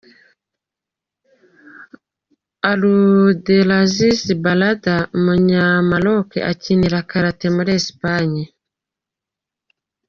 Abdelaziz Barrada, umunyamaroke ukinira Getafe muri Esipanye.